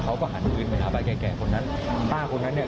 เขาก็หันปืนไปหาป้าแก่แก่คนนั้นป้าคนนั้นเนี่ย